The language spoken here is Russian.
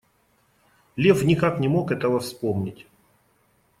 Лев никак не мог этого вспомнить.